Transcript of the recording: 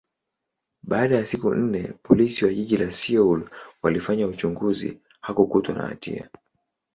baada ya siku nne, Polisi wa jiji la Seoul walifanya uchunguzi, hakukutwa na hatia.